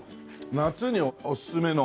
夏におすすめの。